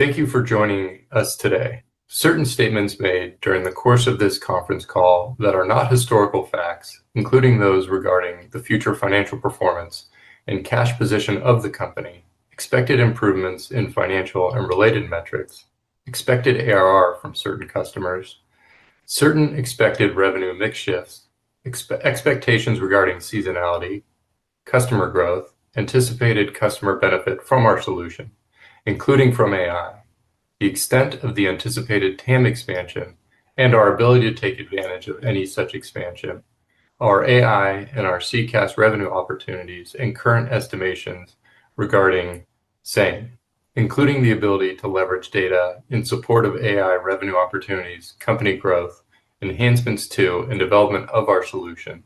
Thank you for joining us today. Certain statements made during the course of this conference call that are not historical facts, including those regarding the future financial performance and cash position of the company, expected improvements in financial and related metrics, expected ARR from certain customers, certain expected revenue mix shifts, expectations regarding seasonality, customer growth, anticipated customer benefit from our solution, including from AI, the extent of the anticipated TAM expansion, and our ability to take advantage of any such expansion, our AI and our CCaaS revenue opportunities, and current estimations regarding SaaS, including the ability to leverage data in support of AI revenue opportunities, company growth, enhancements to, and development of our solution.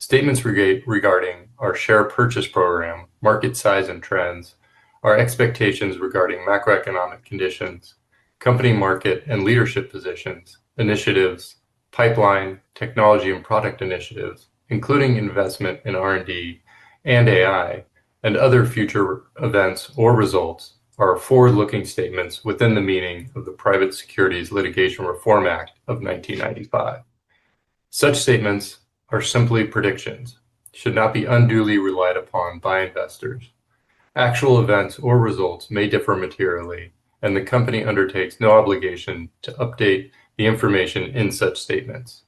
Statements regarding our share purchase program, market size and trends, our expectations regarding macroeconomic conditions, company market and leadership positions, initiatives, pipeline, technology, and product initiatives, including investment in R&D and AI and other future events or results, are forward-looking statements within the meaning of the Private Securities Litigation Reform Act of 1995. Such statements are simply predictions, should not be unduly relied upon by investors. Actual events or results may differ materially, and the company undertakes no obligation to update the information in such statements.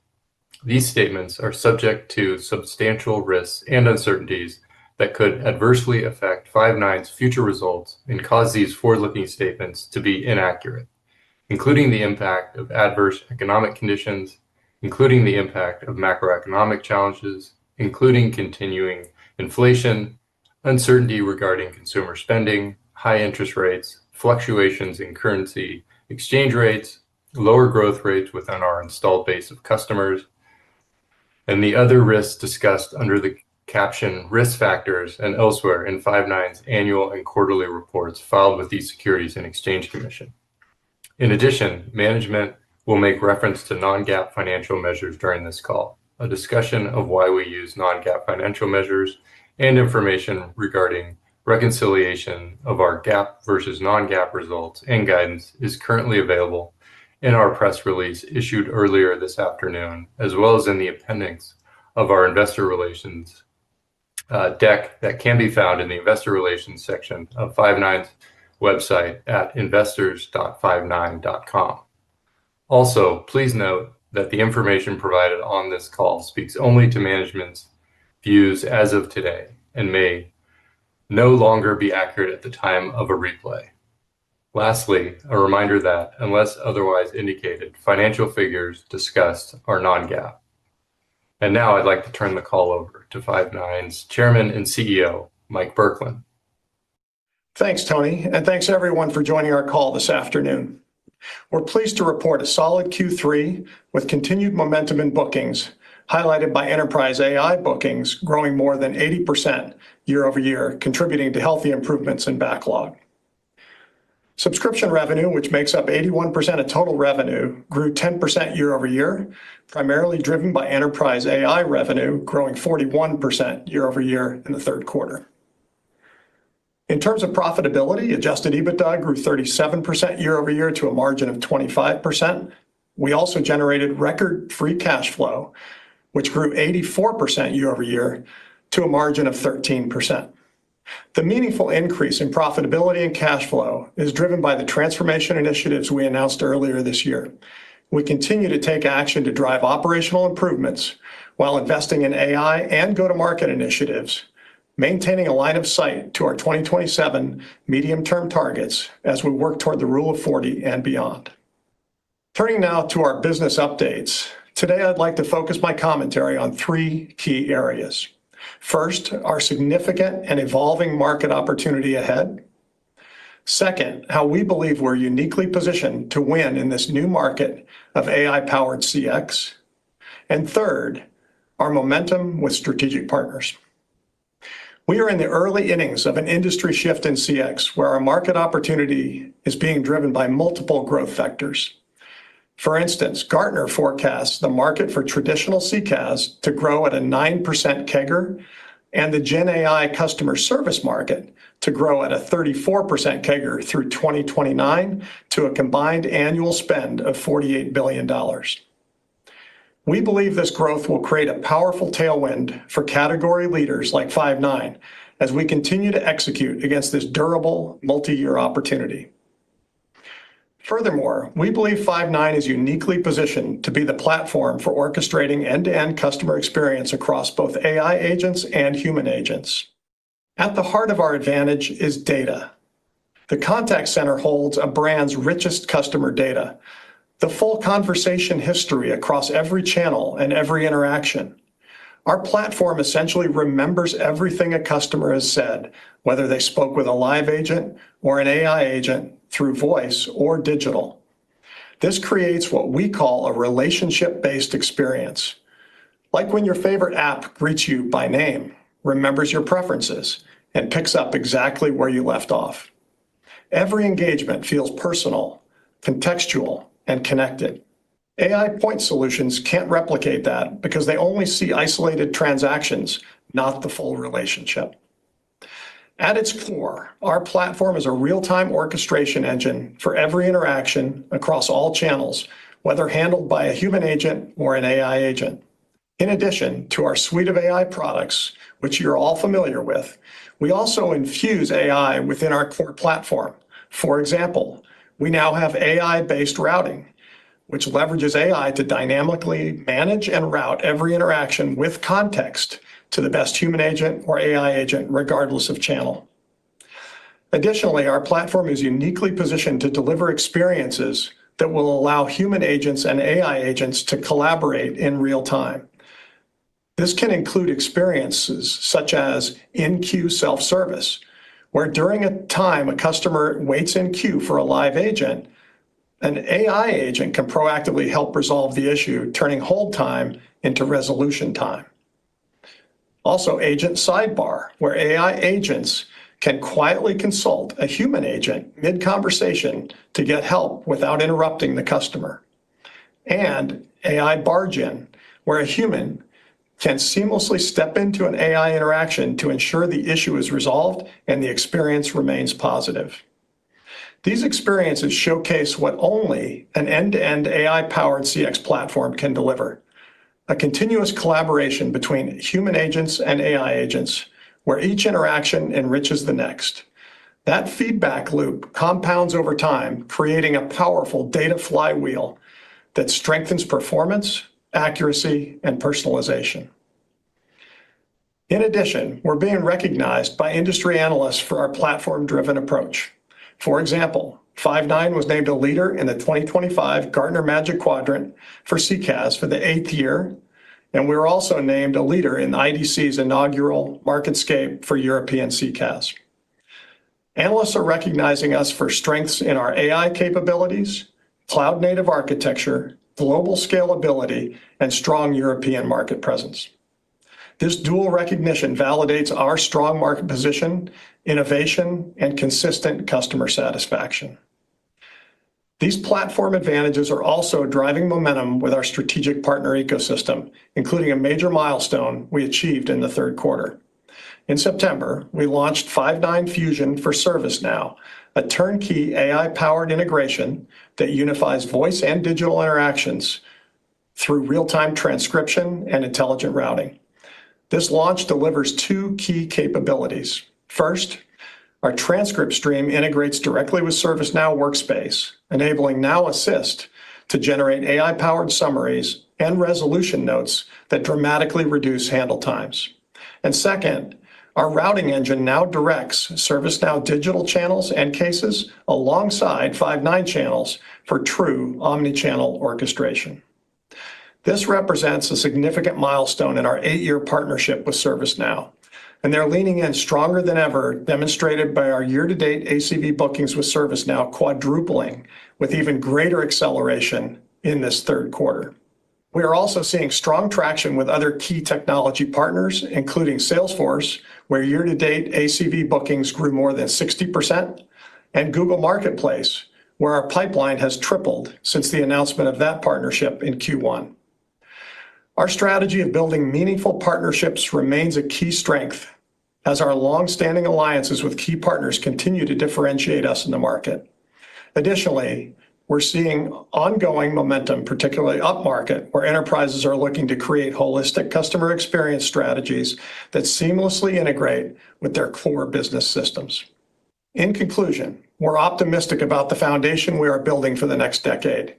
These statements are subject to substantial risks and uncertainties that could adversely affect Five9's future results and cause these forward-looking statements to be inaccurate, including the impact of adverse economic conditions, including the impact of macroeconomic challenges, including continuing inflation, uncertainty regarding consumer spending, high interest rates, fluctuations in currency exchange rates, lower growth rates within our installed base of customers. The other risks discussed under the caption risk factors and elsewhere in Five9's annual and quarterly reports filed with the Securities and Exchange Commission. In addition, management will make reference to non-GAAP financial measures during this call. A discussion of why we use non-GAAP financial measures and information regarding reconciliation of our GAAP versus non-GAAP results and guidance is currently available in our press release issued earlier this afternoon, as well as in the appendix of our investor relations deck that can be found in the investor relations section of Five9's website at investors.fivenine.com. Also, please note that the information provided on this call speaks only to management's views as of today and may no longer be accurate at the time of a replay. Lastly, a reminder that, unless otherwise indicated, financial figures discussed are non-GAAP. I would like to turn the call over to Five9's Chairman and CEO, Mike Burkland. Thanks, Tony, and thanks everyone for joining our call this afternoon. We're pleased to report a solid Q3 with continued momentum in bookings, highlighted by enterprise AI bookings growing more than 80% year-over-year, contributing to healthy improvements in backlog. Subscription revenue, which makes up 81% of total revenue, grew 10% year-over-year, primarily driven by enterprise AI revenue growing 41% year-over-year in the third quarter. In terms of profitability, adjusted EBITDA grew 37% year-over-year to a margin of 25%. We also generated record-free cash flow, which grew 84% year-over-year to a margin of 13%. The meaningful increase in profitability and cash flow is driven by the transformation initiatives we announced earlier this year. We continue to take action to drive operational improvements while investing in AI and go-to-market initiatives, maintaining a line of sight to our 2027 medium-term targets as we work toward the Rule of 40 and beyond. Turning now to our business updates, today I'd like to focus my commentary on three key areas. First, our significant and evolving market opportunity ahead. Second, how we believe we're uniquely positioned to win in this new market of AI-powered CX. Third, our momentum with strategic partners. We are in the early innings of an industry shift in CX where our market opportunity is being driven by multiple growth factors. For instance, Gartner forecasts the market for traditional CCaaS to grow at a 9% CAGR and the GenAI customer service market to grow at a 34% CAGR through 2029 to a combined annual spend of $48 billion. We believe this growth will create a powerful tailwind for category leaders like Five9 as we continue to execute against this durable multi-year opportunity. Furthermore, we believe Five9 is uniquely positioned to be the platform for orchestrating end-to-end customer experience across both AI agents and human agents. At the heart of our advantage is data. The contact center holds a brand's richest customer data, the full conversation history across every channel and every interaction. Our platform essentially remembers everything a customer has said, whether they spoke with a live agent or an AI agent through voice or digital. This creates what we call a relationship-based experience, like when your favorite app greets you by name, remembers your preferences, and picks up exactly where you left off. Every engagement feels personal, contextual, and connected. AI point solutions can't replicate that because they only see isolated transactions, not the full relationship. At its core, our platform is a real-time orchestration engine for every interaction across all channels, whether handled by a human agent or an AI agent. In addition to our suite of AI products, which you're all familiar with, we also infuse AI within our core platform. For example, we now have AI-based routing, which leverages AI to dynamically manage and route every interaction with context to the best human agent or AI agent, regardless of channel. Additionally, our platform is uniquely positioned to deliver experiences that will allow human agents and AI agents to collaborate in real time. This can include experiences such as in-queue self-service, where during a time a customer waits in queue for a live agent, an AI agent can proactively help resolve the issue, turning hold time into resolution time. Also, agent sidebar, where AI agents can quietly consult a human agent mid-conversation to get help without interrupting the customer. AI barge-in, where a human can seamlessly step into an AI interaction to ensure the issue is resolved and the experience remains positive. These experiences showcase what only an end-to-end AI-powered CX platform can deliver: a continuous collaboration between human agents and AI agents, where each interaction enriches the next. That feedback loop compounds over time, creating a powerful data flywheel that strengthens performance, accuracy, and personalization. In addition, we're being recognized by industry analysts for our platform-driven approach. For example, Five9 was named a leader in the 2025 Gartner Magic Quadrant for CCaaS for the eighth year, and we were also named a leader in IDC's inaugural MarketScape for European CCaaS. Analysts are recognizing us for strengths in our AI capabilities, cloud-native architecture, global scalability, and strong European market presence. This dual recognition validates our strong market position, innovation, and consistent customer satisfaction. These platform advantages are also driving momentum with our strategic partner ecosystem, including a major milestone we achieved in the third quarter. In September, we launched Five9 Fusion for ServiceNow, a turnkey AI-powered integration that unifies voice and digital interactions through real-time transcription and intelligent routing. This launch delivers two key capabilities. First, our transcript stream integrates directly with ServiceNow Workspace, enabling Now Assist to generate AI-powered summaries and resolution notes that dramatically reduce handle times. Second, our routing engine now directs ServiceNow digital channels and cases alongside Five9 channels for true omnichannel orchestration. This represents a significant milestone in our eight-year partnership with ServiceNow, and they're leaning in stronger than ever, demonstrated by our year-to-date ACV bookings with ServiceNow quadrupling with even greater acceleration in this third quarter. We are also seeing strong traction with other key technology partners, including Salesforce, where year-to-date ACV bookings grew more than 60%, and Google Marketplace, where our pipeline has tripled since the announcement of that partnership in Q1. Our strategy of building meaningful partnerships remains a key strength as our long-standing alliances with key partners continue to differentiate us in the market. Additionally, we're seeing ongoing momentum, particularly upmarket, where enterprises are looking to create holistic customer experience strategies that seamlessly integrate with their core business systems. In conclusion, we're optimistic about the foundation we are building for the next decade.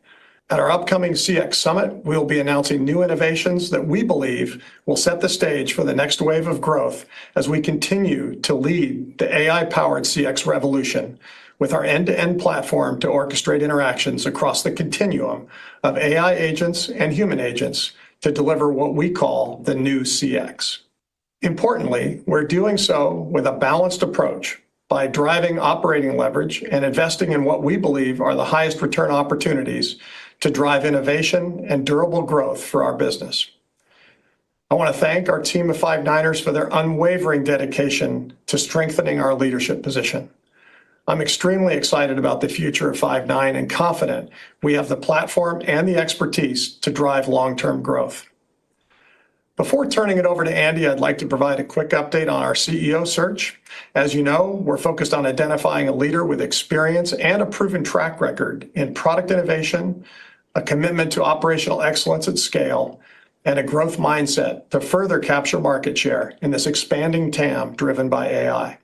At our upcoming CX Summit, we'll be announcing new innovations that we believe will set the stage for the next wave of growth as we continue to lead the AI-powered CX revolution with our end-to-end platform to orchestrate interactions across the continuum of AI agents and human agents to deliver what we call the new CX. Importantly, we're doing so with a balanced approach by driving operating leverage and investing in what we believe are the highest return opportunities to drive innovation and durable growth for our business. I want to thank our team of Five9ers for their unwavering dedication to strengthening our leadership position. I'm extremely excited about the future of Five9 and confident we have the platform and the expertise to drive long-term growth. Before turning it over to Andy, I'd like to provide a quick update on our CEO search. As you know, we're focused on identifying a leader with experience and a proven track record in product innovation, a commitment to operational excellence at scale, and a growth mindset to further capture market share in this expanding TAM driven by AI.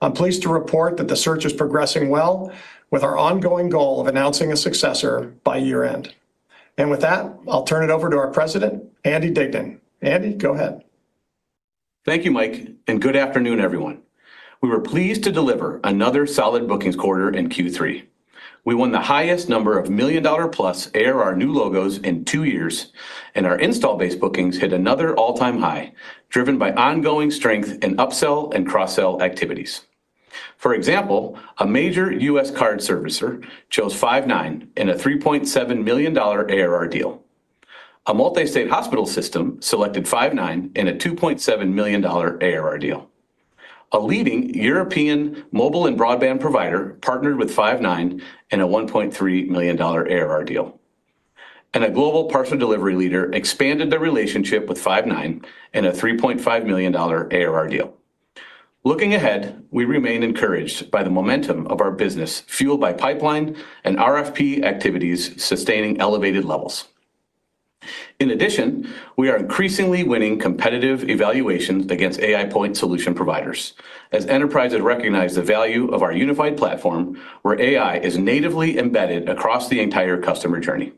I'm pleased to report that the search is progressing well with our ongoing goal of announcing a successor by year-end. With that, I'll turn it over to our President, Andy Dignan. Andy, go ahead. Thank you, Mike, and good afternoon, everyone. We were pleased to deliver another solid bookings quarter in Q3. We won the highest number of million-dollar-plus ARR new logos in two years, and our install-based bookings hit another all-time high, driven by ongoing strength in upsell and cross-sell activities. For example, a major U.S. card servicer chose Five9 in a $3.7 million ARR deal. A multi-state hospital system selected Five9 in a $2.7 million ARR deal. A leading European mobile and broadband provider partnered with Five9 in a $1.3 million ARR deal. A global parcel delivery leader expanded their relationship with Five9 in a $3.5 million ARR deal. Looking ahead, we remain encouraged by the momentum of our business fueled by pipeline and RFP activities sustaining elevated levels. In addition, we are increasingly winning competitive evaluations against AI point solution providers as enterprises recognize the value of our unified platform where AI is natively embedded across the entire customer journey.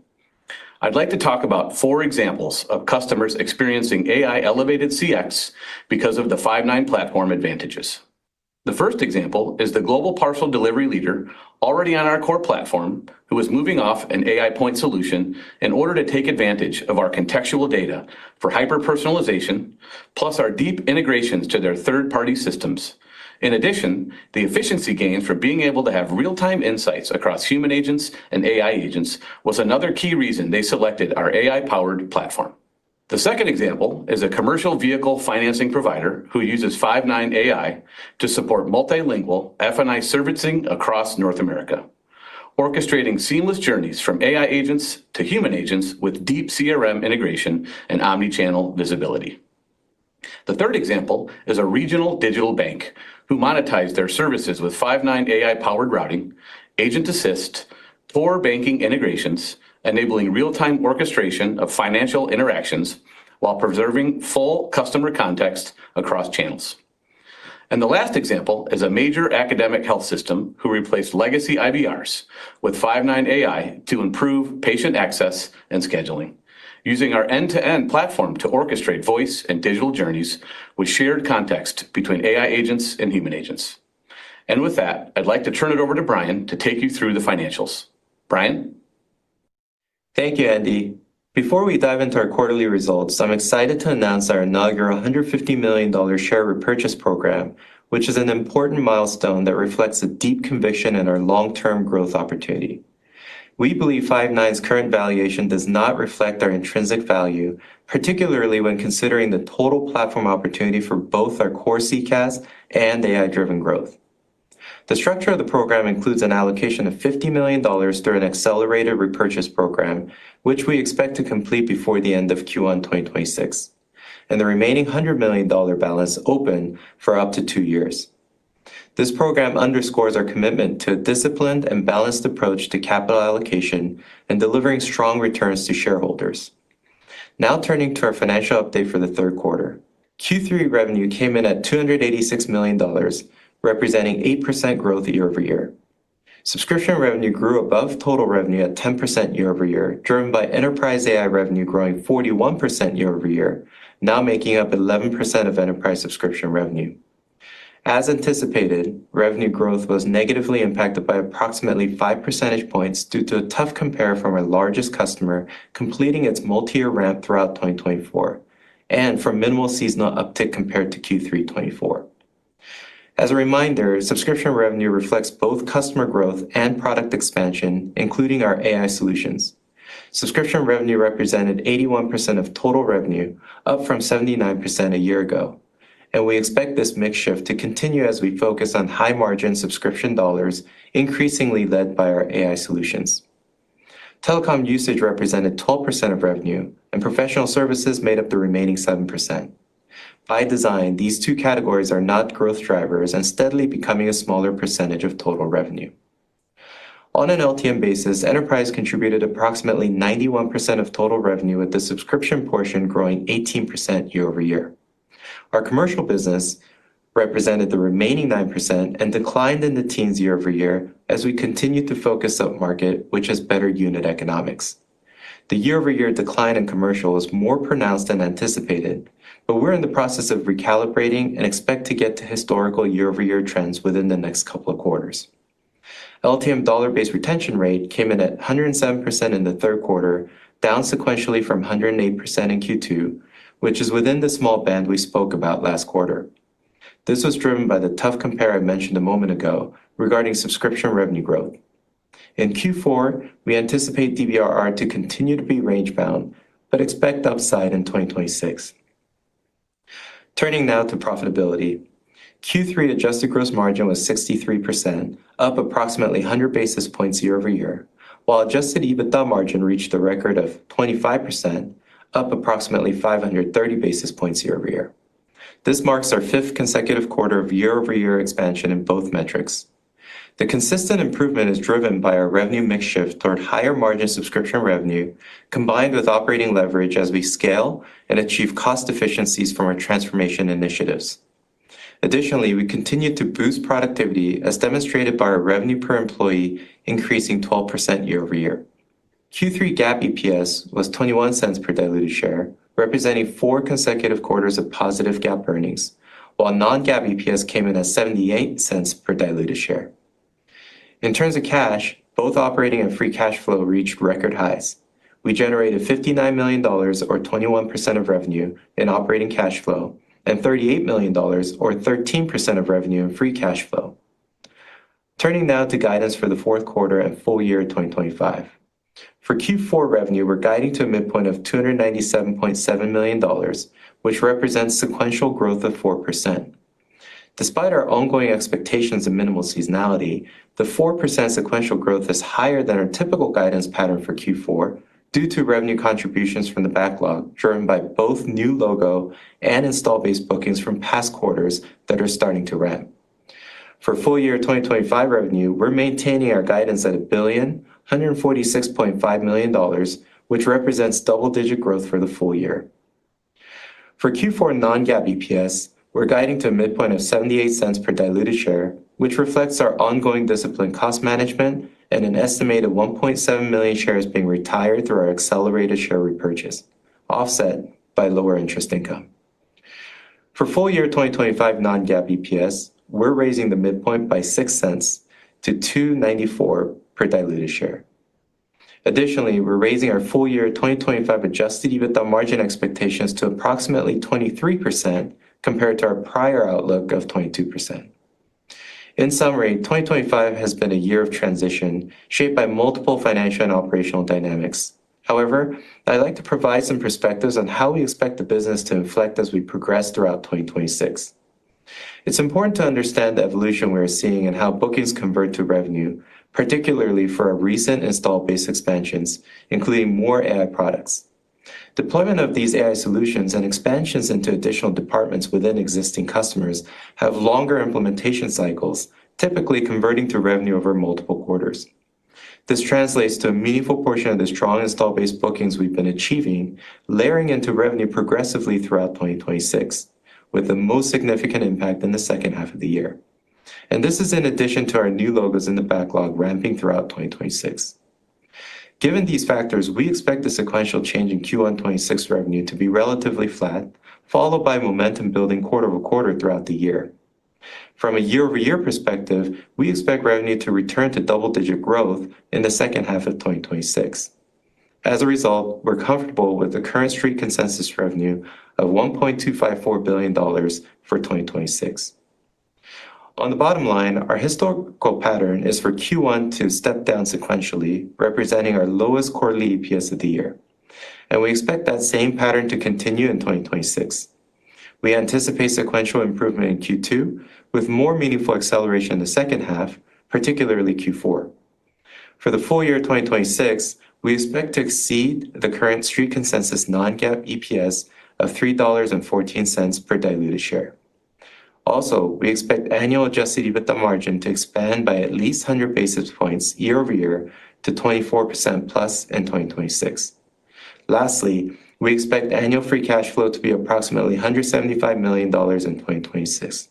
I'd like to talk about four examples of customers experiencing AI-elevated CX because of the Five9 platform advantages. The first example is the global parcel delivery leader already on our core platform who is moving off an AI point solution in order to take advantage of our contextual data for hyper-personalization, plus our deep integrations to their third-party systems. In addition, the efficiency gains for being able to have real-time insights across human agents and AI agents was another key reason they selected our AI-powered platform. The second example is a commercial vehicle financing provider who uses Five9 AI to support multilingual F&I servicing across North America, orchestrating seamless journeys from AI agents to human agents with deep CRM integration and omnichannel visibility. The third example is a regional digital bank who monetized their services with Five9 AI-powered routing, Agent Assist, four banking integrations, enabling real-time orchestration of financial interactions while preserving full customer context across channels. The last example is a major academic health system who replaced legacy IVRs with Five9 AI to improve patient access and scheduling, using our end-to-end platform to orchestrate voice and digital journeys with shared context between AI agents and human agents. With that, I'd like to turn it over to Brian to take you through the financials. Brian. Thank you, Andy. Before we dive into our quarterly results, I'm excited to announce our inaugural $150 million share repurchase program, which is an important milestone that reflects a deep conviction in our long-term growth opportunity. We believe Five9's current valuation does not reflect our intrinsic value, particularly when considering the total platform opportunity for both our core CCaaS and AI-driven growth. The structure of the program includes an allocation of $50 million through an accelerated repurchase program, which we expect to complete before the end of Q1 2026, and the remaining $100 million balance open for up to two years. This program underscores our commitment to a disciplined and balanced approach to capital allocation and delivering strong returns to shareholders. Now turning to our financial update for the third quarter, Q3 revenue came in at $286 million, representing 8% growth year-over-year. Subscription revenue grew above total revenue at 10% year-over-year, driven by enterprise AI revenue growing 41% year-over-year, now making up 11% of enterprise subscription revenue. As anticipated, revenue growth was negatively impacted by approximately five percentage points due to a tough compare from our largest customer completing its multi-year ramp throughout 2024 and from minimal seasonal uptick compared to Q3 2024. As a reminder, subscription revenue reflects both customer growth and product expansion, including our AI solutions. Subscription revenue represented 81% of total revenue, up from 79% a year ago, and we expect this mix shift to continue as we focus on high-margin subscription dollars, increasingly led by our AI solutions. Telecom usage represented 12% of revenue, and professional services made up the remaining 7%. By design, these two categories are not growth drivers and steadily becoming a smaller percentage of total revenue. On an LTM basis, enterprise contributed approximately 91% of total revenue, with the subscription portion growing 1 year. Our commercial business represented the remaining 9% and declined in the teens year-over year as we continued to focus up market, which has better unit economics. The year-over-year decline in commercial was more pronounced than anticipated, but we're in the process of recalibrating and expect to get to historical year-over-year trends within the next couple of quarters. LTM dollar-based retention rate came in at 107% in the third quarter, down sequentially from 108% in Q2, which is within the small band we spoke about last quarter. This was driven by the tough compare I mentioned a moment ago regarding subscription revenue growth. In Q4, we anticipate DBRR to continue to be range-bound but expect upside in 2026. Turning now to profitability, Q3 adjusted gross margin was 63%, up approximately 100 basis points year-over-year, while adjusted EBITDA margin reached the record of 25%, up approximately 530 basis points year-over-year. This marks our fifth consecutive quarter of year-over-year expansion in both metrics. The consistent improvement is driven by our revenue mix shift toward higher margin subscription revenue, combined with operating leverage as we scale and achieve cost efficiencies from our transformation initiatives. Additionally, we continue to boost productivity, as demonstrated by our revenue per employee increasing 12% year-over-year. Q3 GAAP EPS was $0.21 per diluted share, representing four consecutive quarters of positive GAAP earnings, while non-GAAP EPS came in at $0.78 per diluted share. In terms of cash, both operating and free cash flow reached record highs. We generated $59 million, or 21% of revenue, in operating cash flow and $38 million, or 13% of revenue, in free cash flow. Turning now to guidance for the fourth quarter and full year 2025. For Q4 revenue, we're guiding to a midpoint of $297.7 million, which represents sequential growth of 4%. Despite our ongoing expectations of minimal seasonality, the 4% sequential growth is higher than our typical guidance pattern for Q4 due to revenue contributions from the backlog driven by both new logo and install-based bookings from past quarters that are starting to ramp. For full year 2025 revenue, we're maintaining our guidance at $1,146.5 million, which represents double-digit growth for the full year. For Q4 non-GAAP EPS, we're guiding to a midpoint of $0.78 per diluted share, which reflects our ongoing discipline cost management and an estimated 1.7 million shares being retired through our accelerated share repurchase, offset by lower interest income. For full year 2025 non-GAAP EPS, we're raising the midpoint by $0.06 to $2.94 per diluted share. Additionally, we're raising our full year 2025 adjusted EBITDA margin expectations to approximately 23% compared to our prior outlook of 22%. In summary, 2025 has been a year of transition shaped by multiple financial and operational dynamics. However, I'd like to provide some perspectives on how we expect the business to inflect as we progress throughout 2026. It's important to understand the evolution we're seeing and how bookings convert to revenue, particularly for our recent install-based expansions, including more AI products. Deployment of these AI solutions and expansions into additional departments within existing customers have longer implementation cycles, typically converting to revenue over multiple quarters. This translates to a meaningful portion of the strong install-based bookings we've been achieving, layering into revenue progressively throughout 2026, with the most significant impact in the second half of the year. This is in addition to our new logos in the backlog ramping throughout 2026. Given these factors, we expect the sequential change in Q1 2026 revenue to be relatively flat, followed by momentum building quarter over quarter throughout the year. From a year-over-year perspective, we expect revenue to return to double-digit growth in the second half of 2026. As a result, we're comfortable with the current street consensus revenue of $1.254 billion for 2026. On the bottom line, our historical pattern is for Q1 to step down sequentially, representing our lowest quarterly EPS of the year. We expect that same pattern to continue in 2026. We anticipate sequential improvement in Q2, with more meaningful acceleration in the second half, particularly Q4. For the full year 2026, we expect to exceed the current street consensus non-GAAP EPS of $3.14 per diluted share. Also, we expect annual adjusted EBITDA margin to expand by at least 100 basis points year-over-year to 24% plus in 2026. Lastly, we expect annual free cash flow to be approximately $175 million in 2026.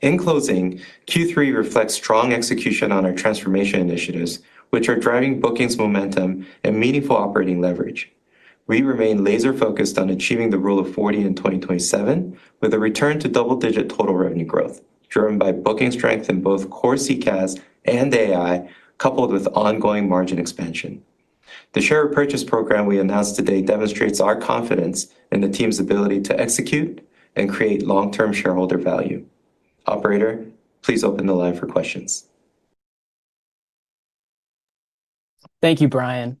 In closing, Q3 reflects strong execution on our transformation initiatives, which are driving bookings momentum and meaningful operating leverage. We remain laser-focused on achieving the rule of 40 in 2027, with a return to double-digit total revenue growth driven by booking strength in both core CCaaS and AI, coupled with ongoing margin expansion. The share repurchase program we announced today demonstrates our confidence in the team's ability to execute and create long-term shareholder value. Operator, please open the line for questions. Thank you, Brian.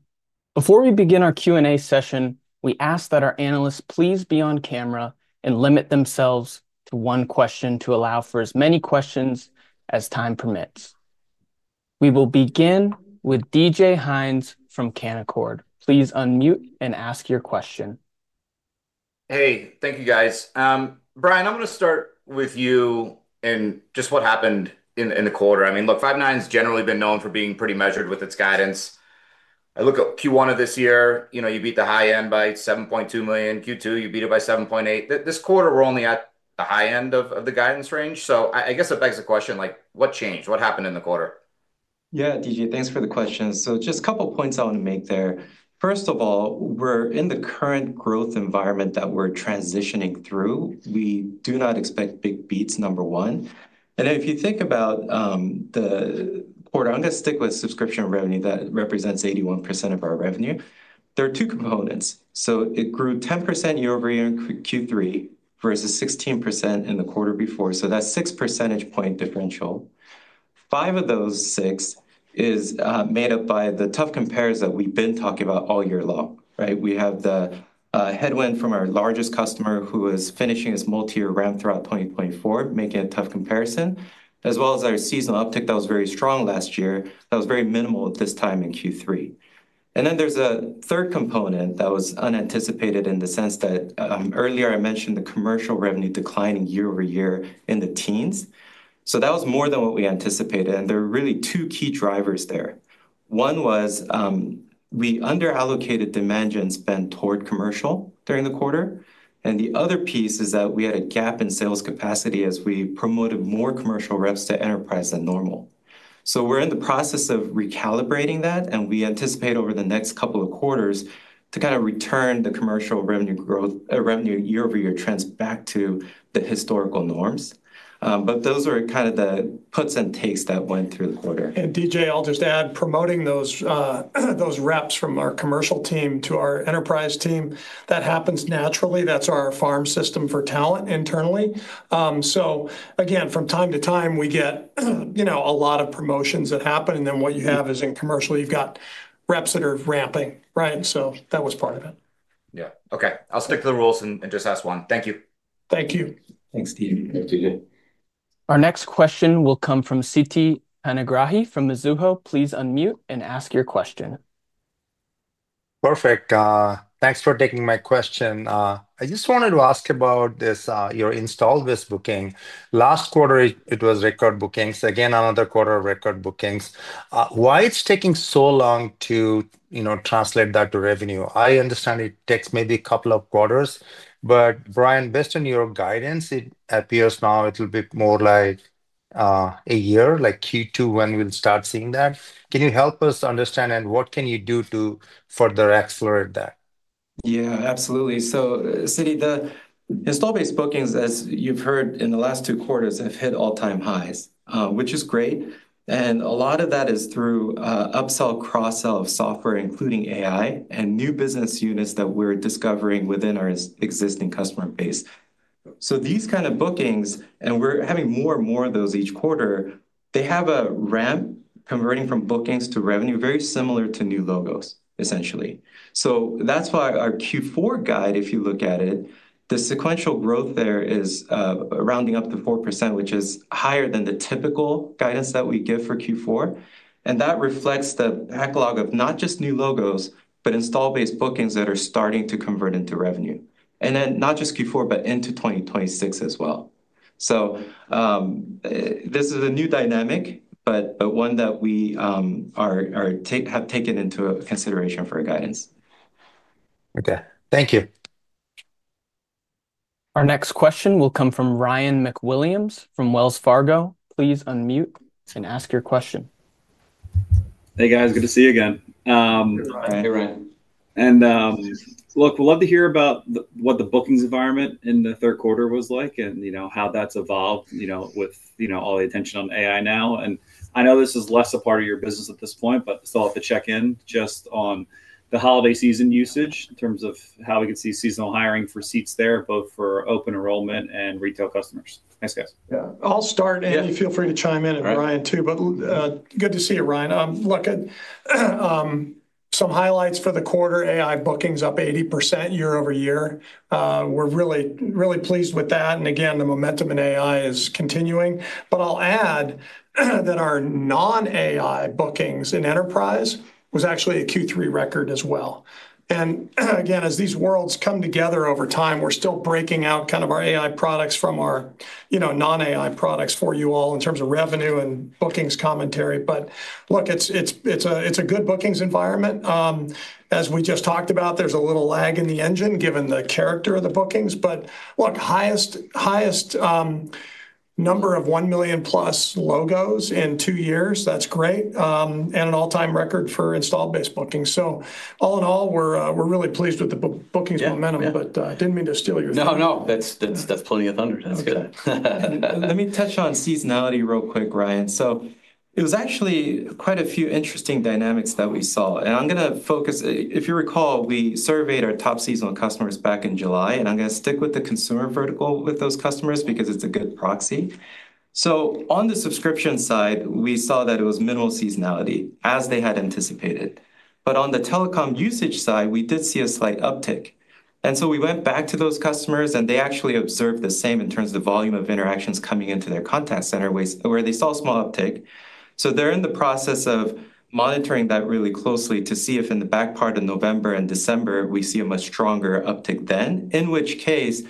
Before we begin our Q&A session, we ask that our analysts please be on camera and limit themselves to one question to allow for as many questions as time permits. We will begin with DJ Hines from Canaccord. Please unmute and ask your question. Hey, thank you, guys. Brian, I'm going to start with you and just what happened in the quarter. I mean, look, Five9 has generally been known for being pretty measured with its guidance. I look at Q1 of this year, you beat the high end by $7.2 million. Q2, you beat it by $7.8 million. This quarter, we're only at the high end of the guidance range. So I guess it begs the question, like, what changed? What happened in the quarter? Yeah, DJ, thanks for the question. So just a couple of points I want to make there. First of all, we're in the current growth environment that we're transitioning through. We do not expect big beats, number one. If you think about the quarter, I'm going to stick with subscription revenue that represents 81% of our revenue. There are two components. It grew 10% year-over-year in Q3 versus 16% in the quarter before. That's a six percentage point differential. Five of those six is made up by the tough compares that we've been talking about all year long. We have the headwind from our largest customer who is finishing its multi-year ramp throughout 2024, making a tough comparison, as well as our seasonal uptick that was very strong last year that was very minimal at this time in Q3. There is a third component that was unanticipated in the sense that earlier I mentioned the commercial revenue declining year-over-year in the teens. That was more than what we anticipated. There were really two key drivers there. One was we underallocated demand and spend toward commercial during the quarter. The other piece is that we had a gap in sales capacity as we promoted more commercial reps to enterprise than normal. We are in the process of recalibrating that, and we anticipate over the next couple of quarters to kind of return the commercial revenue growth, revenue year-over-year trends back to the historical norms. Those are kind of the puts and takes that went through the quarter. DJ, I'll just add, promoting those reps from our commercial team to our enterprise team, that happens naturally. That's our farm system for talent internally. Again, from time to time, we get a lot of promotions that happen. What you have is in commercial, you've got reps that are ramping. That was part of it. Yeah. Okay. I'll stick to the rules and just ask one. Thank you. Thank you. Thanks, DJ. Our next question will come from Sitikantha Panigrahi from Mizuho. Please unmute and ask your question. Perfect. Thanks for taking my question. I just wanted to ask about this, your install-based booking. Last quarter, it was record bookings. Again, another quarter of record bookings. Why is it taking so long to translate that to revenue? I understand it takes maybe a couple of quarters. Brian, based on your guidance, it appears now it'll be more like a year, like Q2 when we'll start seeing that. Can you help us understand and what can you do to further accelerate that? Yeah, absolutely. So Siti, the install-based bookings, as you've heard, in the last two quarters have hit all-time highs, which is great. And a lot of that is through upsell, cross-sell of software, including AI and new business units that we're discovering within our existing customer base. So these kind of bookings, and we're having more and more of those each quarter, they have a ramp converting from bookings to revenue, very similar to new logos, essentially. That's why our Q4 guide, if you look at it, the sequential growth there is rounding up to 4%, which is higher than the typical guidance that we give for Q4. That reflects the backlog of not just new logos, but install-based bookings that are starting to convert into revenue. And then not just Q4, but into 2026 as well. This is a new dynamic, but one that we. Have taken into consideration for our guidance. Okay. Thank you. Our next question will come from Ryan McWilliams from Wells Fargo. Please unmute and ask your question. Hey, guys. Good to see you again. Look, we'd love to hear about what the bookings environment in the third quarter was like and how that's evolved with all the attention on AI now. I know this is less a part of your business at this point, but still have to check in just on the holiday season usage in terms of how we can see seasonal hiring for seats there, both for open enrollment and retail customers. Thanks, guys. Yeah. I'll start, and you feel free to chime in, Brian, too. Good to see you, Ryan. Look at some highlights for the quarter. AI bookings up 80% year-over-year. We're really, really pleased with that. The momentum in AI is continuing. I'll add that our non-AI bookings in enterprise was actually a Q3 record as well. As these worlds come together over time, we're still breaking out kind of our AI products from our non-AI products for you all in terms of revenue and bookings commentary. Look, it's a good bookings environment. As we just talked about, there's a little lag in the engine given the character of the bookings. Look, highest number of $1 million plus logos in two years, that's great. An all-time record for install-based bookings. All in all, we're really pleased with the bookings momentum, but didn't mean to steal your thought. No, no. That's plenty of thunder. That's good. Let me touch on seasonality real quick, Ryan. It was actually quite a few interesting dynamics that we saw. I am going to focus, if you recall, we surveyed our top seasonal customers back in July. I am going to stick with the consumer vertical with those customers because it is a good proxy. On the subscription side, we saw that it was minimal seasonality as they had anticipated. On the telecom usage side, we did see a slight uptick. We went back to those customers, and they actually observed the same in terms of the volume of interactions coming into their contact center, where they saw a small uptick. They're in the process of monitoring that really closely to see if in the back part of November and December, we see a much stronger uptick then, in which case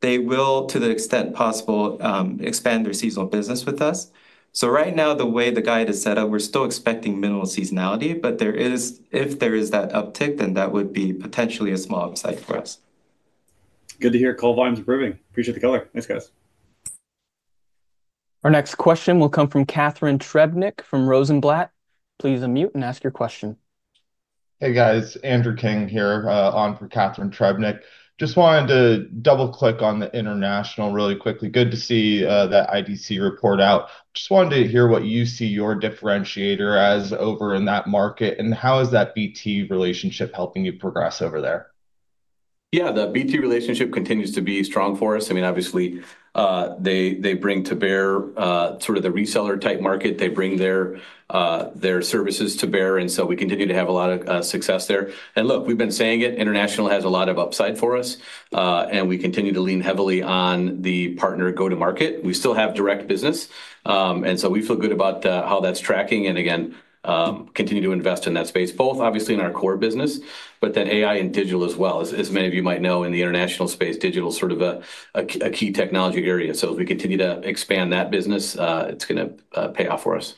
they will, to the extent possible, expand their seasonal business with us. Right now, the way the guide is set up, we're still expecting minimal seasonality. If there is that uptick, then that would be potentially a small upside for us. Good to call volumes improving. Appreciate the color. Thanks, guys. Our next question will come from Catharine Trebnick from Rosenblatt. Please unmute and ask your question. Hey, guys. Andrew King here, on for Catharine Anne Trebnick. Just wanted to double-click on the international really quickly. Good to see that IDC report out. Just wanted to hear what you see your differentiator as over in that market and how is that BT relationship helping you progress over there? Yeah, the BT relationship continues to be strong for us. I mean, obviously. They bring to bear sort of the reseller-type market. They bring their services to bear. We continue to have a lot of success there. I mean, we've been saying it, international has a lot of upside for us. We continue to lean heavily on the partner go-to-market. We still have direct business. We feel good about how that's tracking. Again, continue to invest in that space, both obviously in our core business, but then AI and digital as well. As many of you might know, in the international space, digital is sort of a key technology area. As we continue to expand that business, it's going to pay off for us.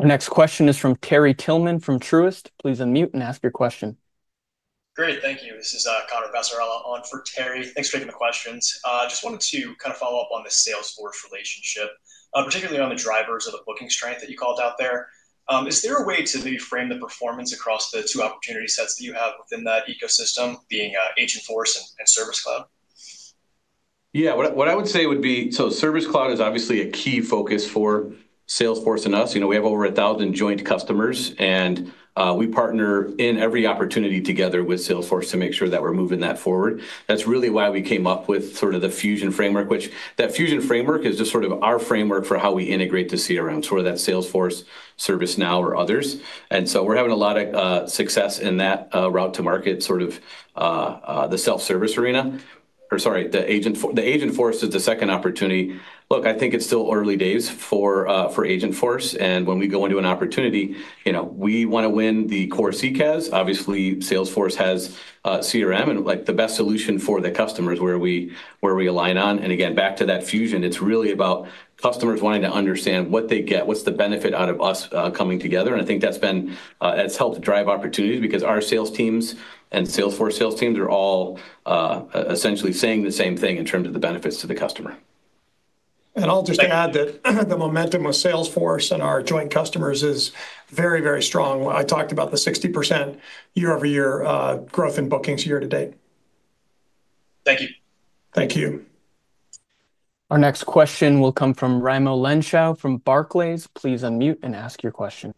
Our next question is from Terrell Frederick Tillman from Truist. Please unmute and ask your question. Great. Thank you. This is Connor Bassarella on for Terry. Thanks for taking the questions. Just wanted to kind of follow up on the Salesforce relationship, particularly on the drivers of the booking strength that you called out there. Is there a way to maybe frame the performance across the two opportunity sets that you have within that ecosystem, being Agentforce and Service Cloud? Yeah, what I would say would be, Service Cloud is obviously a key focus for Salesforce and us. We have over 1,000 joint customers, and we partner in every opportunity together with Salesforce to make sure that we're moving that forward. That's really why we came up with sort of the Fusion framework, which, that Fusion framework is just sort of our framework for how we integrate the CRM, sort of that Salesforce, ServiceNow, or others. We are having a lot of success in that route to market, sort of the self-service arena. Or, sorry, Agentforce is the second opportunity. Look, I think it's still early days for Agentforce. When we go into an opportunity, we want to win the core CCaaS. Obviously, Salesforce has CRM and the best solution for the customers where we align on. Again, back to that Fusion, it's really about customers wanting to understand what they get, what's the benefit out of us coming together. I think that's helped drive opportunities because our sales teams and Salesforce sales teams are all essentially saying the same thing in terms of the benefits to the customer. I'll just add that the momentum of Salesforce and our joint customers is very, very strong. I talked about the 60% year-over-year growth in bookings year to date. Thank you. Thank you. Our next question will come from Raimo Lenschow from Barclays. Please unmute and ask your question.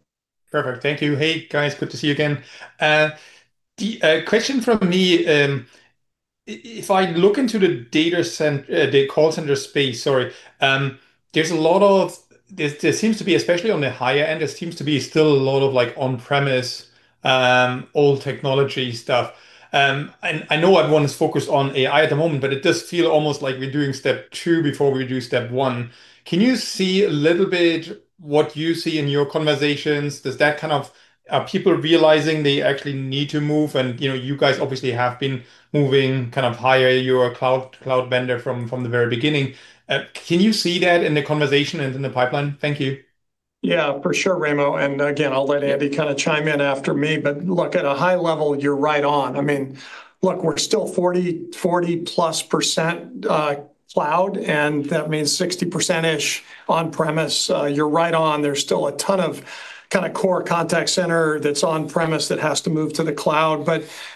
Perfect. Thank you. Hey, guys. Good to see you again. Question from me. If I look into the data center, the call center space, sorry, there seems to be, especially on the higher end, there seems to be still a lot of on-premise. Old technology stuff. I know everyone is focused on AI at the moment, but it does feel almost like we're doing step two before we do step one. Can you see a little bit what you see in your conversations? Does that kind of, are people realizing they actually need to move? You guys obviously have been moving kind of higher, your cloud vendor from the very beginning. Can you see that in the conversation and in the pipeline? Thank you. Yeah, for sure, Raimo. Again, I'll let Andy kind of chime in after me. Look, at a high level, you're right on. I mean, we're still 40-plus % cloud, and that means 60%-ish on-premise. You're right on. There's still a ton of kind of core contact center that's on-premise that has to move to the cloud.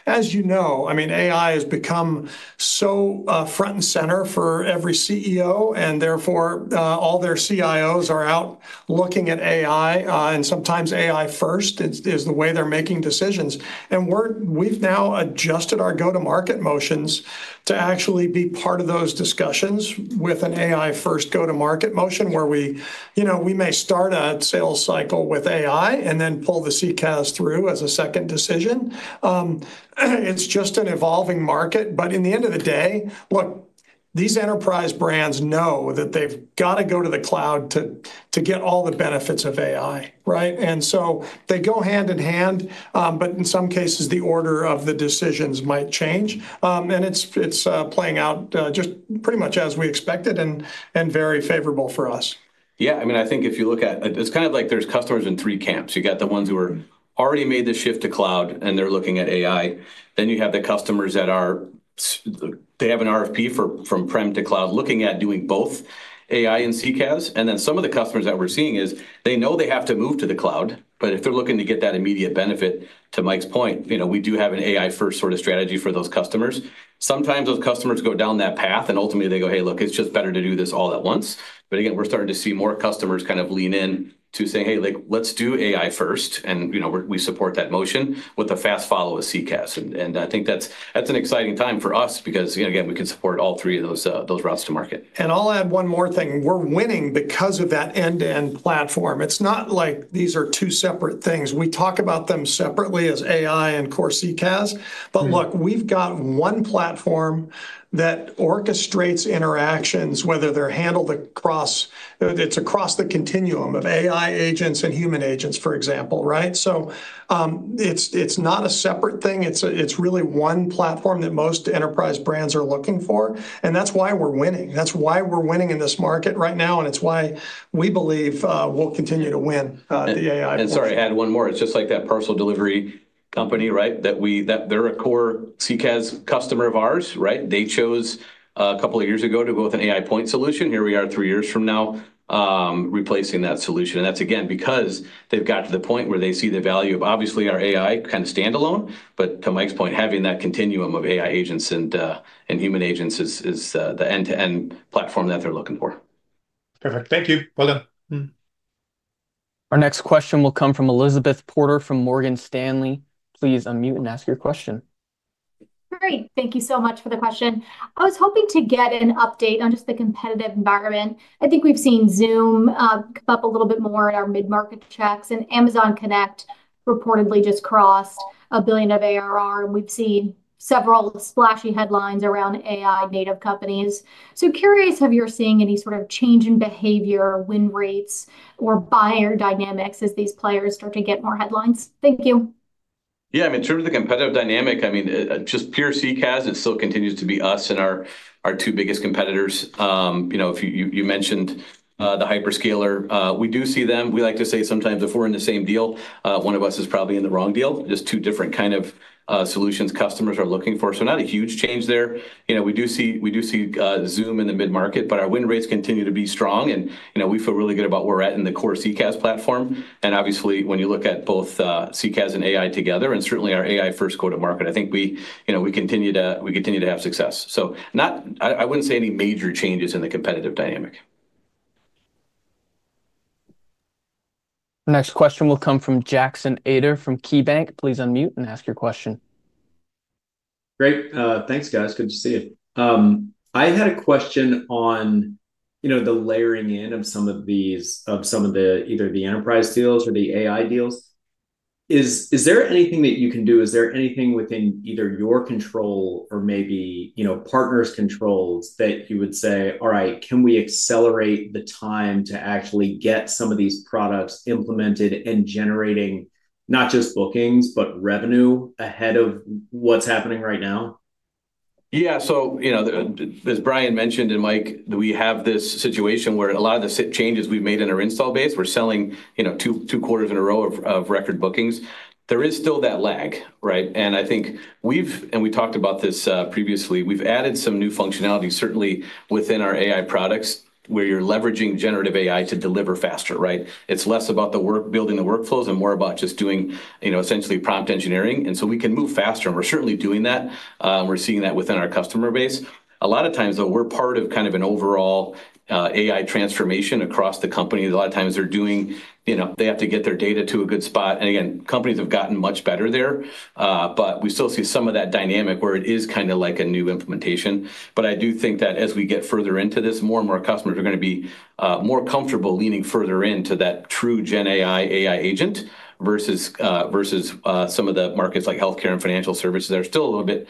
As you know, AI has become so front and center for every CEO, and therefore all their CIOs are out looking at AI. Sometimes AI first is the way they're making decisions. We've now adjusted our go-to-market motions to actually be part of those discussions with an AI first go-to-market motion where we may start a sales cycle with AI and then pull the CCaaS through as a second decision. It's just an evolving market. In the end of the day, look, these enterprise brands know that they've got to go to the cloud to get all the benefits of AI. They go hand in hand. In some cases, the order of the decisions might change. It's playing out just pretty much as we expected and very favorable for us. Yeah. I mean, I think if you look at, it's kind of like there's customers in three camps. You got the ones who have already made the shift to cloud and they're looking at AI. Then you have the customers that are, they have an RFP from prem to cloud looking at doing both AI and CCaaS. Then some of the customers that we're seeing is they know they have to move to the cloud. If they're looking to get that immediate benefit, to Mike's point, we do have an AI first sort of strategy for those customers. Sometimes those customers go down that path and ultimately they go, hey, look, it's just better to do this all at once. Again, we're starting to see more customers kind of lean in to say, hey, let's do AI first. We support that motion with a fast follow with CCaaS. I think that's an exciting time for us because, again, we can support all three of those routes to market. I'll add one more thing. We're winning because of that end-to-end platform. It's not like these are two separate things. We talk about them separately as AI and core CCaaS. Look, we've got one platform that orchestrates interactions, whether they're handled across, it's across the continuum of AI agents and human agents, for example. It's not a separate thing. It's really one platform that most enterprise brands are looking for. That's why we're winning. That's why we're winning in this market right now. It's why we believe we'll continue to win the AI platform. Sorry, add one more. It's just like that parcel delivery company, right? They're a core CCaaS customer of ours. They chose a couple of years ago to go with an AI point solution. Here we are three years from now, replacing that solution. That's, again, because they've got to the point where they see the value of, obviously, our AI kind of standalone. To Mike's point, having that continuum of AI agents and human agents is the end-to-end platform that they're looking for. Perfect. Thank you. Our next question will come from Elizabeth Porter from Morgan Stanley. Please unmute and ask your question. Great. Thank you so much for the question. I was hoping to get an update on just the competitive environment. I think we've seen Zoom come up a little bit more in our mid-market checks. Amazon Connect reportedly just crossed $1 billion of ARR. We've seen several splashy headlines around AI-native companies. Curious, have you seen any sort of change in behavior, win rates, or buyer dynamics as these players start to get more headlines? Thank you. Yeah. I mean, in terms of the competitive dynamic, I mean, just pure CCaaS, it still continues to be us and our two biggest competitors. You mentioned the Hyperscaler. We do see them. We like to say sometimes if we're in the same deal, one of us is probably in the wrong deal. Just two different kind of solutions customers are looking for. Not a huge change there. We do see Zoom in the mid-market, but our win rates continue to be strong. We feel really good about where we're at in the core CCaaS platform. Obviously, when you look at both CCaaS and AI together, and certainly our AI first go-to-market, I think we continue to have success. I wouldn't say any major changes in the competitive dynamic. Next question will come from Jackson Edmund Ader from KeyBanc. Please unmute and ask your question. Great. Thanks, guys. Good to see you. I had a question on the layering in of some of these, of some of the either the enterprise deals or the AI deals. Is there anything that you can do? Is there anything within either your control or maybe partner's controls that you would say, "All right, can we accelerate the time to actually get some of these products implemented and generating not just bookings, but revenue ahead of what's happening right now? Yeah. As Brian mentioned and Mike, we have this situation where a lot of the changes we've made in our install base, we're selling two quarters in a row of record bookings. There is still that lag. I think we've, and we talked about this previously, we've added some new functionality, certainly within our AI products where you're leveraging generative AI to deliver faster. It's less about the work, building the workflows and more about just doing essentially prompt engineering. We can move faster. We're certainly doing that. We're seeing that within our customer base. A lot of times, though, we're part of kind of an overall AI transformation across the company. A lot of times they're doing, they have to get their data to a good spot. Again, companies have gotten much better there. We still see some of that dynamic where it is kind of like a new implementation. I do think that as we get further into this, more and more customers are going to be more comfortable leaning further into that true GenAI AI agent versus some of the markets like healthcare and financial services. They're still a little bit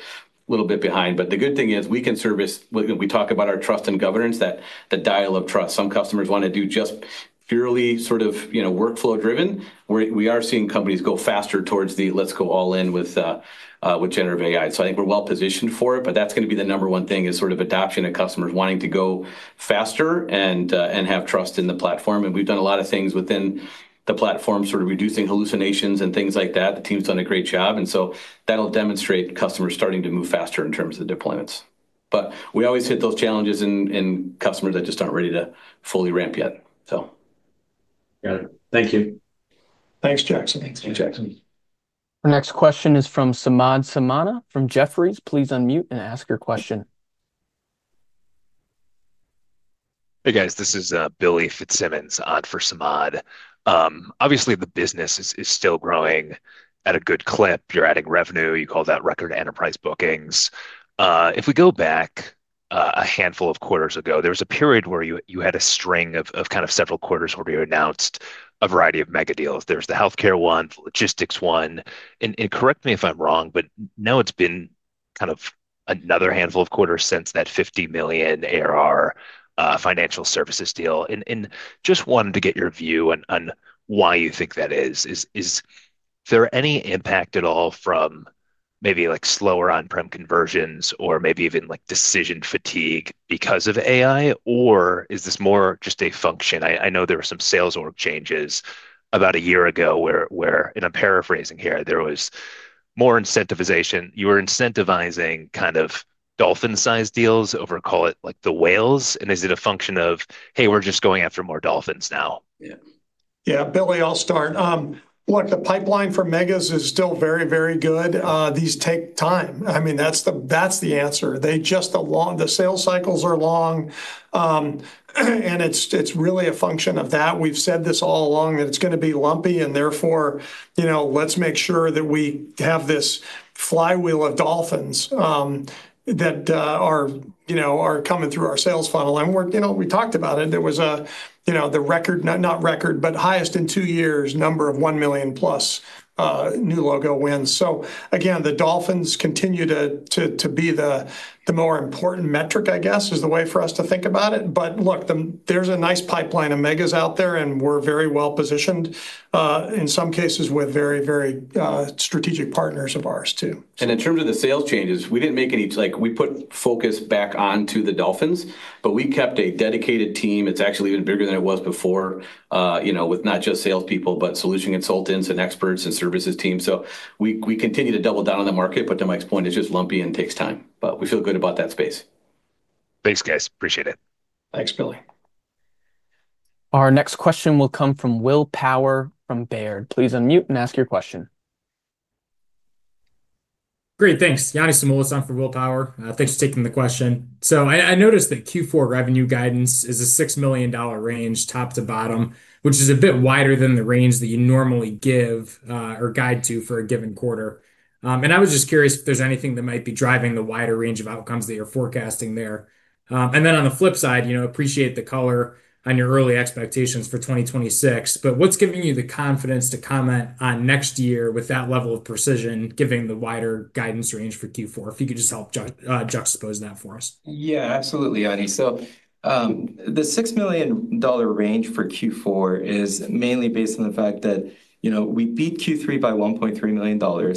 behind. The good thing is we can service, we talk about our trust and governance, that the dial of trust. Some customers want to do just purely sort of workflow-driven. We are seeing companies go faster towards the, let's go all in with Generative AI. I think we're well positioned for it. That's going to be the number one thing is sort of adoption and customers wanting to go faster and have trust in the platform. We have done a lot of things within the platform, sort of reducing hallucinations and things like that. The team's done a great job. That will demonstrate customers starting to move faster in terms of the deployments. We always hit those challenges in customers that just are not ready to fully ramp yet. Got it. Thank you. Thanks, Jackson. Thanks, Jackson. Our next question is from Samad Samana from Jefferies. Please unmute and ask your question. Hey, guys. This is William Fitzsimmons, odd for Samad. Obviously, the business is still growing at a good clip. You're adding revenue. You called out record enterprise bookings. If we go back a handful of quarters ago, there was a period where you had a string of kind of several quarters where you announced a variety of mega deals. There's the healthcare one, the logistics one. And correct me if I'm wrong, but now it's been kind of another handful of quarters since that $50 million ARR financial services deal. I just wanted to get your view on why you think that is. Is there any impact at all from maybe slower on-prem conversions or maybe even decision fatigue because of AI? Or is this more just a function? I know there were some Salesforce changes about a year ago where, and I'm paraphrasing here, there was more incentivization. You were incentivizing kind of dolphin-sized deals over, call it like the whales. Is it a function of, "Hey, we're just going after more dolphins now"? Yeah. Yeah, Billy, I'll start. Look, the pipeline for megas is still very, very good. These take time. I mean, that's the answer. The sales cycles are long. It's really a function of that. We've said this all along that it's going to be lumpy. Therefore, let's make sure that we have this flywheel of dolphins that are coming through our sales funnel. We talked about it. There was the record, not record, but highest in two years number of $1 million-plus new logo wins. Again, the dolphins continue to be the more important metric, I guess, is the way for us to think about it. Look, there's a nice pipeline of megas out there, and we're very well positioned in some cases with very, very strategic partners of ours too. In terms of the sales changes, we did not make any, we put focus back onto the dolphins, but we kept a dedicated team. It is actually even bigger than it was before, with not just salespeople, but solution consultants and experts and services teams. We continue to double down on the market, but to Mike's point, it is just lumpy and takes time. We feel good about that space. Thanks, guys. Appreciate it. Thanks, Billy. Our next question will come from Will Power from Baird. Please unmute and ask your question. Great. Thanks. Yani Samola's on for Will Power. Thanks for taking the question. I noticed that Q4 revenue guidance is a $6 million range top to bottom, which is a bit wider than the range that you normally give or guide to for a given quarter. I was just curious if there's anything that might be driving the wider range of outcomes that you're forecasting there. On the flip side, appreciate the color on your early expectations for 2026. What's giving you the confidence to comment on next year with that level of precision, given the wider guidance range for Q4? If you could just help juxtapose that for us. Yeah, absolutely, Yani. The $6 million range for Q4 is mainly based on the fact that we beat Q3 by $1.3 million.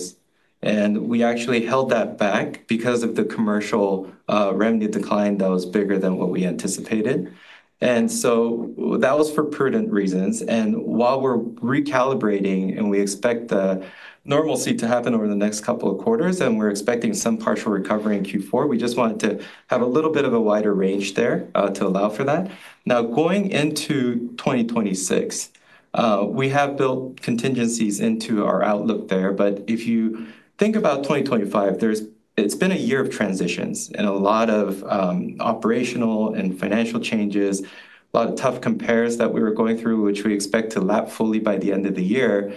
We actually held that back because of the commercial revenue decline that was bigger than what we anticipated. That was for prudent reasons. While we're recalibrating and we expect the normalcy to happen over the next couple of quarters, and we're expecting some partial recovery in Q4, we just wanted to have a little bit of a wider range there to allow for that. Now, going into 2026, we have built contingencies into our outlook there. If you think about 2025, it's been a year of transitions and a lot of operational and financial changes, a lot of tough compares that we were going through, which we expect to lap fully by the end of the year.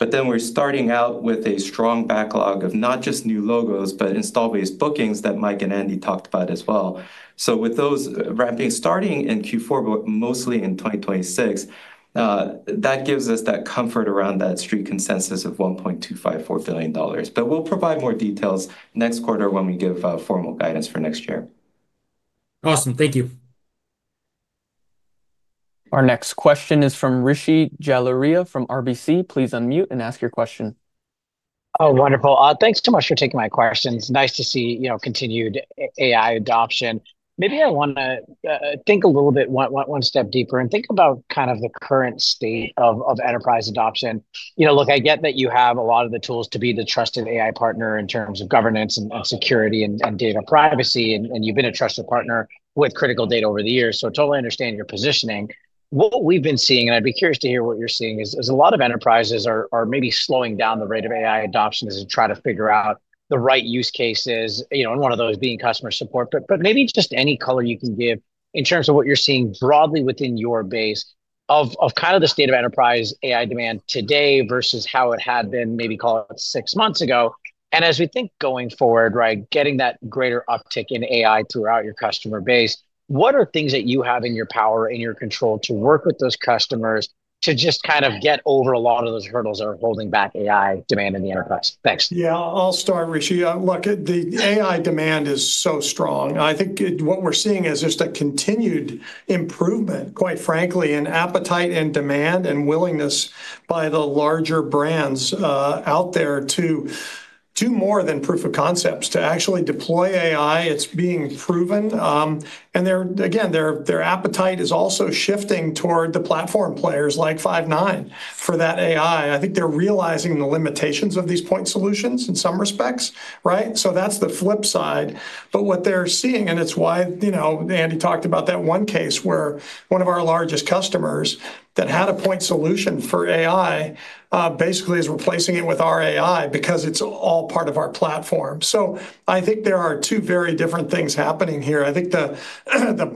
We are starting out with a strong backlog of not just new logos, but install-based bookings that Mike and Andy talked about as well. With those ramping starting in Q4, but mostly in 2026, that gives us that comfort around that street consensus of $1.254 billion. We will provide more details next quarter when we give formal guidance for next year. Awesome. Thank you. Our next question is from Rishi Jalaria from RBC. Please unmute and ask your question. Oh, wonderful. Thanks so much for taking my questions. Nice to see continued AI adoption. Maybe I want to think a little bit one step deeper and think about kind of the current state of enterprise adoption. Look, I get that you have a lot of the tools to be the trusted AI partner in terms of governance and security and data privacy. And you've been a trusted partner with critical data over the years. I totally understand your positioning. What we've been seeing, and I'd be curious to hear what you're seeing, is a lot of enterprises are maybe slowing down the rate of AI adoption as they try to figure out the right use cases. And one of those being customer support. Maybe just any color you can give in terms of what you're seeing broadly within your base of kind of the state of enterprise AI demand today versus how it had been, maybe call it six months ago. As we think going forward, getting that greater uptick in AI throughout your customer base, what are things that you have in your power and your control to work with those customers to just kind of get over a lot of those hurdles that are holding back AI demand in the enterprise? Thanks. Yeah, I'll start, Rishi. Look, the AI demand is so strong. I think what we're seeing is just a continued improvement, quite frankly, in appetite and demand and willingness by the larger brands out there to do more than proof of concepts to actually deploy AI. It's being proven. Their appetite is also shifting toward the platform players like Five9 for that AI. I think they're realizing the limitations of these point solutions in some respects. That's the flip side. What they're seeing, and it's why Andy talked about that one case where one of our largest customers that had a point solution for AI basically is replacing it with our AI because it's all part of our platform. I think there are two very different things happening here. I think the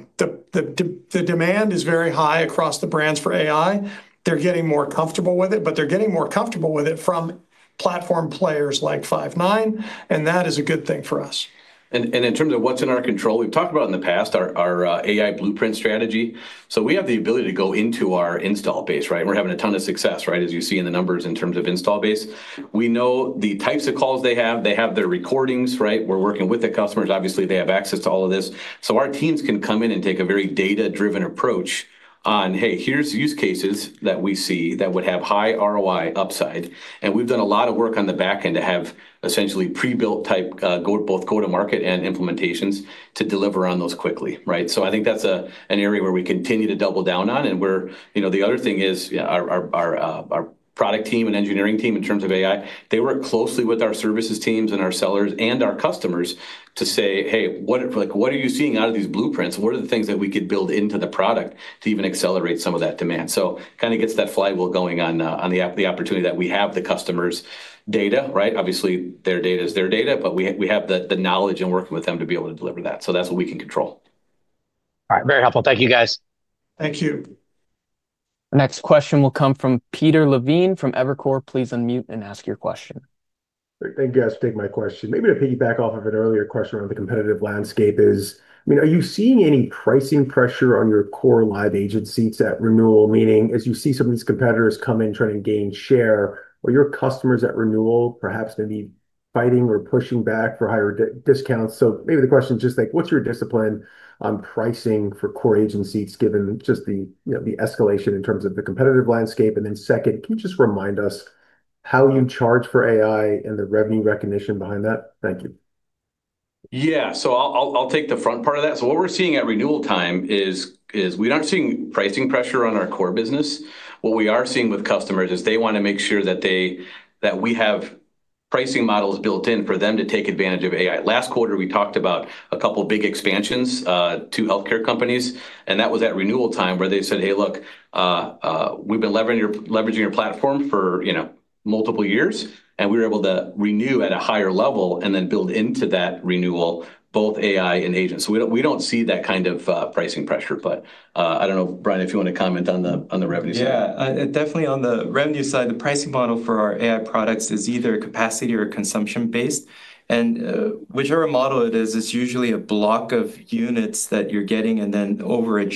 demand is very high across the brands for AI. They're getting more comfortable with it, but they're getting more comfortable with it from platform players like Five9. That is a good thing for us. In terms of what's in our control, we've talked about in the past our AI blueprint strategy. We have the ability to go into our install base. We're having a ton of success, as you see in the numbers in terms of install base. We know the types of calls they have. They have their recordings. We're working with the customers. Obviously, they have access to all of this. Our teams can come in and take a very data-driven approach on, "Hey, here's use cases that we see that would have high ROI upside." We've done a lot of work on the back end to have essentially pre-built type both go-to-market and implementations to deliver on those quickly. I think that's an area where we continue to double down on. The other thing is. Our product team and engineering team in terms of AI, they work closely with our services teams and our sellers and our customers to say, "Hey, what are you seeing out of these blueprints? What are the things that we could build into the product to even accelerate some of that demand?" It kind of gets that flywheel going on the opportunity that we have the customers' data. Obviously, their data is their data, but we have the knowledge and working with them to be able to deliver that. That is what we can control. All right. Very helpful. Thank you, guys. Thank you. Next question will come from Peter Marc Levine from Evercore. Please unmute and ask your question. Thank you, guys. Take my question. Maybe to piggyback off of an earlier question around the competitive landscape, is, are you seeing any pricing pressure on your core live agent seats at renewal? Meaning, as you see some of these competitors come in trying to gain share, are your customers at renewal perhaps going to be fighting or pushing back for higher discounts? Maybe the question is just like, what's your discipline on pricing for core agent seats given just the escalation in terms of the competitive landscape? Then second, can you just remind us how you charge for AI and the revenue recognition behind that? Thank you. Yeah. I'll take the front part of that. What we're seeing at renewal time is we aren't seeing pricing pressure on our core business. What we are seeing with customers is they want to make sure that we have pricing models built in for them to take advantage of AI. Last quarter, we talked about a couple of big expansions to healthcare companies. That was at renewal time where they said, "Hey, look. We've been leveraging your platform for multiple years, and we were able to renew at a higher level and then build into that renewal both AI and agents." We don't see that kind of pricing pressure. I don't know, Brian, if you want to comment on the revenue side. Yeah. Definitely on the revenue side, the pricing model for our AI products is either capacity or consumption-based. Whichever model it is, it's usually a block of units that you're getting and then overage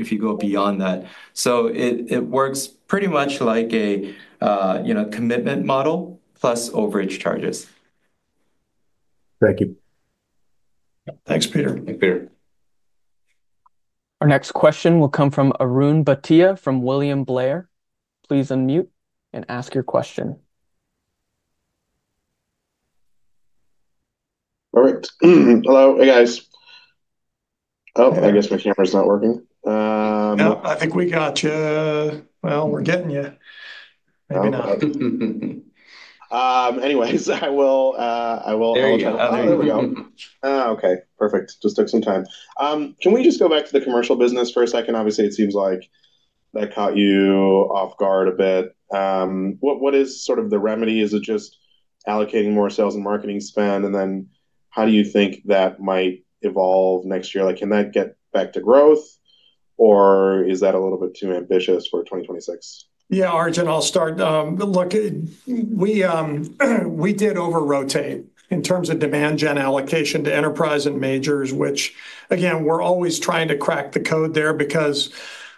if you go beyond that. It works pretty much like a commitment model plus overage charges. Thank you. Thanks, Peter. Thank you, Peter. Our next question will come from Arun Bhatia from William Blair. Please unmute and ask your question. All right. Hello. Hey, guys. Oh, I guess my camera's not working. I think we got you. We are getting you. Maybe not. Anyways, I will. There we go. Oh, okay. Perfect. Just took some time. Can we just go back to the commercial business for a second? Obviously, it seems like that caught you off guard a bit. What is sort of the remedy? Is it just allocating more sales and marketing spend? How do you think that might evolve next year? Can that get back to growth? Or is that a little bit too ambitious for 2026? Yeah, Arjun, I'll start. Look. We did over-rotate in terms of demand gen allocation to enterprise and majors, which, again, we're always trying to crack the code there because,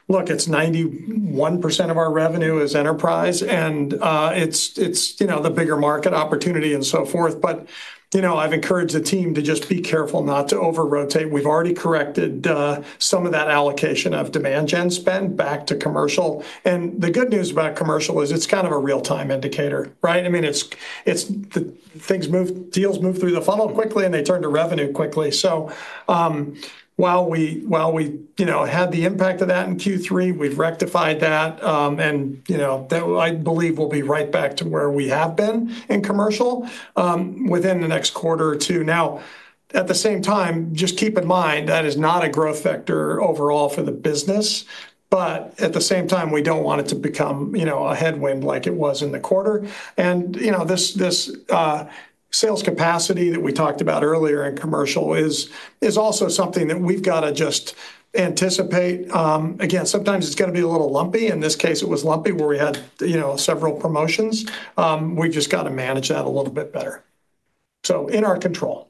look, it's 91% of our revenue is enterprise, and it's the bigger market opportunity and so forth. But I've encouraged the team to just be careful not to over-rotate. We've already corrected some of that allocation of demand gen spend back to commercial. The good news about commercial is it's kind of a real-time indicator. I mean, things move, deals move through the funnel quickly, and they turn to revenue quickly. While we had the impact of that in Q3, we've rectified that. I believe we'll be right back to where we have been in commercial within the next quarter or two. Now, at the same time, just keep in mind that is not a growth factor overall for the business. At the same time, we do not want it to become a headwind like it was in the quarter. This sales capacity that we talked about earlier in commercial is also something that we have got to just anticipate. Again, sometimes it is going to be a little lumpy. In this case, it was lumpy where we had several promotions. We have just got to manage that a little bit better. In our control.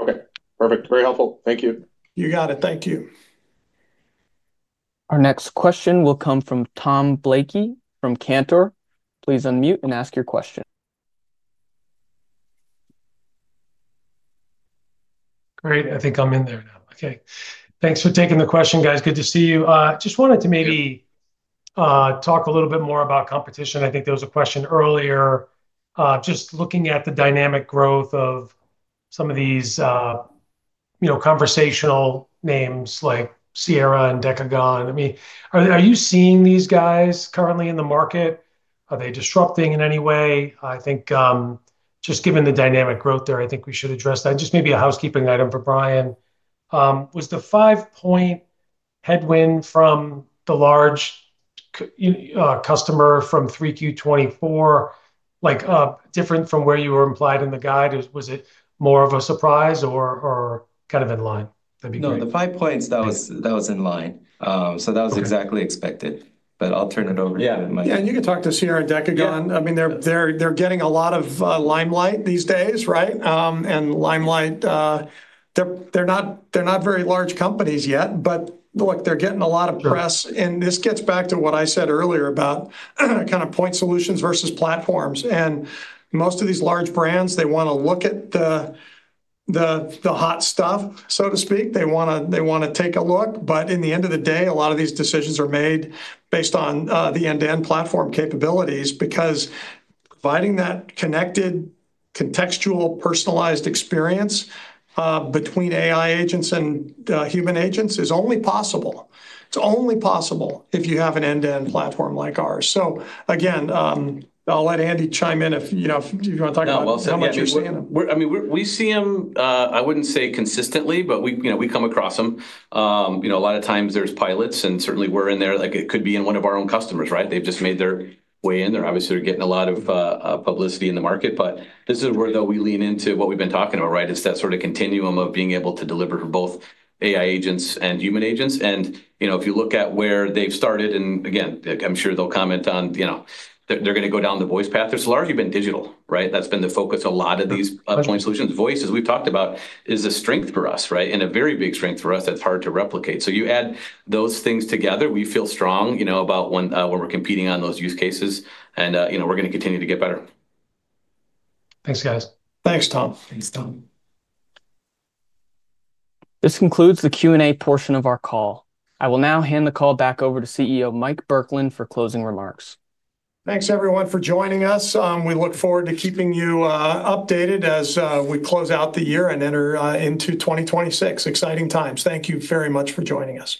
Okay. Perfect. Very helpful. Thank you. You got it. Thank you. Our next question will come from Tom Blakey from Cantor. Please unmute and ask your question. Great. I think I'm in there now. Okay. Thanks for taking the question, guys. Good to see you. Just wanted to maybe talk a little bit more about competition. I think there was a question earlier. Just looking at the dynamic growth of some of these conversational names like Sierra and Decagon. I mean, are you seeing these guys currently in the market? Are they disrupting in any way? I think just given the dynamic growth there, I think we should address that. Just maybe a housekeeping item for Brian. Was the five-point headwind from the large customer from 3Q 2024 different from where you were implied in the guide? Was it more of a surprise or kind of in line? No, the five points, that was in line. That was exactly expected. I'll turn it over to you. Yeah. You can talk to Sierra and Decagon. I mean, they're getting a lot of limelight these days, right? Limelight. They're not very large companies yet. Look, they're getting a lot of press. This gets back to what I said earlier about kind of point solutions versus platforms. Most of these large brands, they want to look at the hot stuff, so to speak. They want to take a look. In the end of the day, a lot of these decisions are made based on the end-to-end platform capabilities because providing that connected, contextual, personalized experience between AI agents and human agents is only possible. It's only possible if you have an end-to-end platform like ours. Again, I'll let Andy chime in if you want to talk about how much you're seeing them. I mean, we see them, I would not say consistently, but we come across them. A lot of times there are pilots, and certainly we are in there. It could be in one of our own customers, right? They have just made their way in. They are obviously getting a lot of publicity in the market. This is where we lean into what we have been talking about, right? It is that sort of continuum of being able to deliver for both AI agents and human agents. If you look at where they have started, and again, I am sure they will comment on. They are going to go down the voice path. It has largely been digital, right? That has been the focus of a lot of these point solutions. Voice, as we have talked about, is a strength for us, right? A very big strength for us that is hard to replicate. You add those things together, we feel strong about when we're competing on those use cases. We're going to continue to get better. Thanks, guys. Thanks, Tom. Thanks, Tom. This concludes the Q&A portion of our call. I will now hand the call back over to CEO Mike Burkland for closing remarks. Thanks, everyone, for joining us. We look forward to keeping you updated as we close out the year and enter into 2026. Exciting times. Thank you very much for joining us.